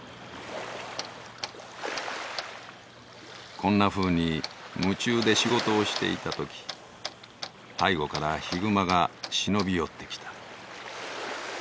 こんなふうに夢中で仕事をしていたとき背後からヒグマが忍び寄ってきた。